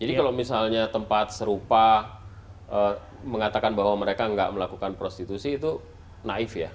jadi kalau misalnya tempat serupa mengatakan bahwa mereka tidak melakukan prostitusi itu naif ya